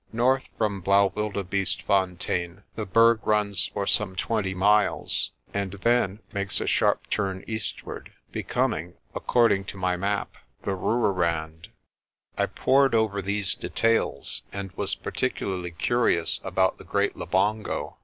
North from Blaauwilde beestefontein the Berg runs for some twenty miles, and then makes a sharp turn eartward, becoming, according to my map, the Rooirand. I pored over these details, and was particularly curious about the Great Labongo.